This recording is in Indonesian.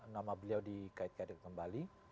nama beliau dikaitkan kembali